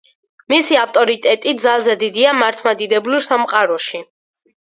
მისი ავტორიტეტი ძალზე დიდია მართლმადიდებლურ სამყაროში.